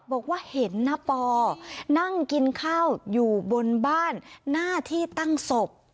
บอกว่าเห็นนะปอนั่งกินข้าวอยู่บนบ้านหน้าที่ตั้งศพ